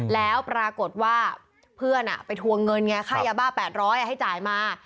แล้วปรากฏว่าเพื่อนไปทวงเงินไงค่ายาบ้า๘๐๐ให้จ่ายมา